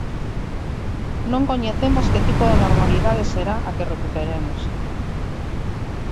Non coñecemos que tipo de normalidade será a que recuperemos.